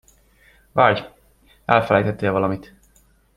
Várj, elfelejtettél valamit!